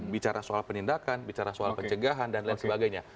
bicara soal penindakan bicara soal pencegahan dan lain sebagainya